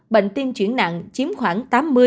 bệnh tiêm chuyển nặng chiếm khoảng tám mươi chín mươi năm